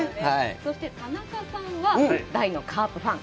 そして田中さんは、カープファン。